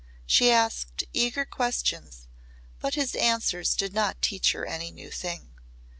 She asked eager questions but his answers did not teach her any new thing.